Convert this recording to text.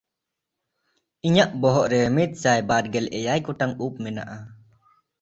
ᱤᱧᱟᱜ ᱵᱚᱦᱚᱜ ᱨᱮ ᱢᱤᱫᱥᱟᱭ ᱵᱟᱨᱜᱮᱞ ᱮᱭᱟᱭ ᱜᱚᱴᱟᱝ ᱩᱵ ᱢᱮᱱᱟᱜᱼᱟ᱾